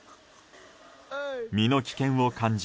身の危険を感じ